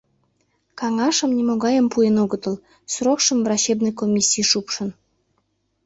Каҥашым нимогайым пуэн огытыл, срокшым врачебный комиссий шупшын.